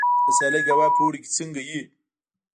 د سالنګ هوا په اوړي کې څنګه وي؟